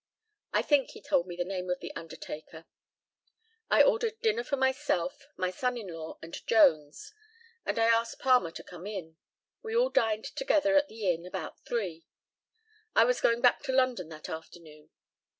I think he told me the name of the undertaker. I ordered dinner for myself, my son in law, and Jones, and I asked Palmer to come in. We all dined together at the inn, about 3. I was going back to London that afternoon.